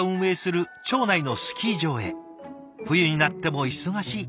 冬になっても忙しい。